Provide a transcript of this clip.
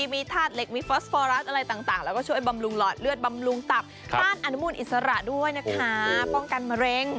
มีภูมิอิสระด้วยนะคะป้องกันมะเร็ง